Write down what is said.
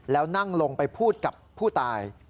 แล้วนั่งลงไปพูดกับผู้ตาย